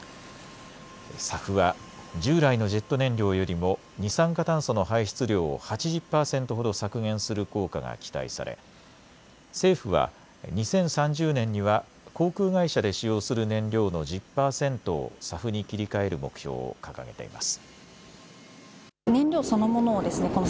ＳＡＦは従来のジェット燃料よりも二酸化炭素の排出量を８０％ほど削減する効果が期待され政府は２０３０年には航空会社で使用する燃料の１０％をＳＡＦに切り替える目標を掲げています。